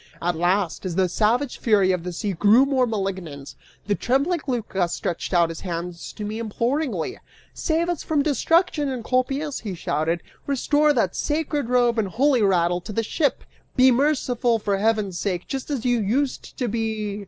At last, as the savage fury of the sea grew more malignant, the trembling Lycas stretched out his hands to me imploringly. "Save us from destruction, Encolpius," he shouted; "restore that sacred robe and holy rattle to the ship! Be merciful, for heaven's sake, just as you used to be!"